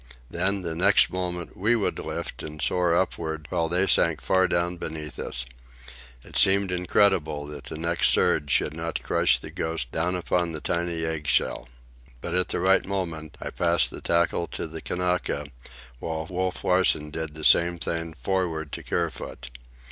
Then, the next moment, we would lift and soar upward while they sank far down beneath us. It seemed incredible that the next surge should not crush the Ghost down upon the tiny eggshell. But, at the right moment, I passed the tackle to the Kanaka, while Wolf Larsen did the same thing forward to Kerfoot.